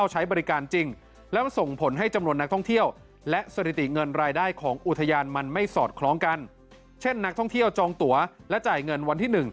หรืออุทยานมันไม่สอดคล้องกันเช่นนักท่องเที่ยวจองตัวและจ่ายเงินวันที่๑